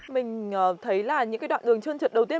mình thấy là những cái đoạn đường trơn trượt đầu tiên